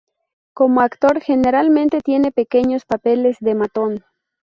Como actor, generalmente tiene pequeños papeles de matón.